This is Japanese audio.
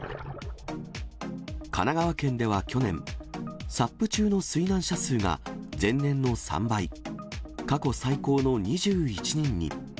神奈川県では去年、サップ中の水難者数が前年の３倍、過去最高の２１人に。